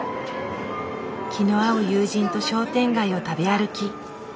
気の合う友人と商店街を食べ歩き。